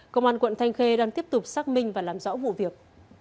công an quận thanh khê đang tiếp tục xác minh và làm rõ vụ việc